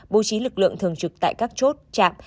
bố trí lực lượng thường trực tại các chốt chạm